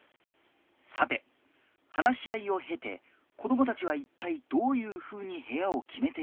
さて話し合いをへて子どもたちはいったいどういうふうに部屋を決めていくのか。